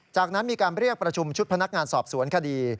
จากนั้นมีการเรียกประชุมชุดพนักงานสอบสวนคดี